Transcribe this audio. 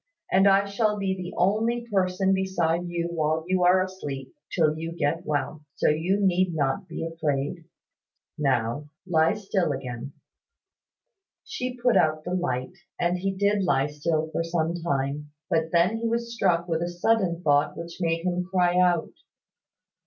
And I shall be the only person beside you while you are asleep, till you get well. So you need not be afraid. Now, lie still again." She put out the light, and he did lie still for some time; but then he was struck with a sudden thought which made him cry out.